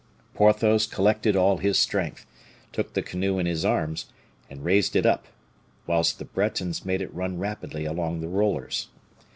Porthos collected all his strength, took the canoe in his arms, and raised it up, whilst the Bretons made it run rapidly along the rollers.